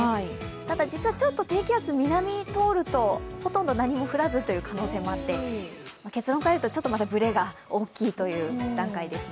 ただ実はちょっと低気圧南通るとほとんどなにも降らずという可能性もあって、結論から言うと、ちょっとまだブレが大きいという段階ですね。